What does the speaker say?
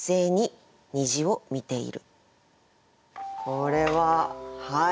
これははい。